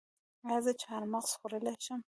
ایا زه چهارمغز خوړلی شم؟